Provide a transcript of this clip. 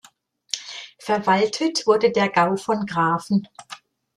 Verwaltet wurde der Gau von Grafen.